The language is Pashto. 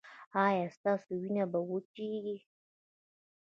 ایا ستاسو وینه به وچیږي؟